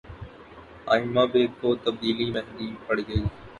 ئمہ بیگ کو تبدیلی مہنگی پڑ گئی